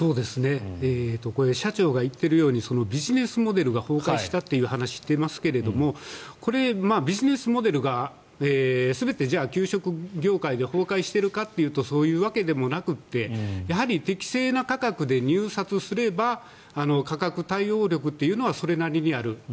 これ社長が言っているようにビジネスモデルが崩壊したという話をしていますけどこれ、ビジネスモデルが全て、じゃあ給食業界で崩壊しているかというとそういうわけでもなくてやはり適正な価格で入札すれば価格対応力というのはそれなりにある。